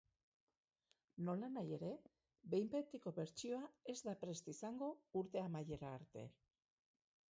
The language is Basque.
Nolanahi ere, behin-betiko bertsioa ez da prest izango urte amaiera arte.